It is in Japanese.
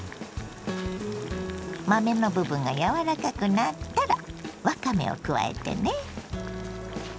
豆の部分が柔らかくなったらわかめを加えてね。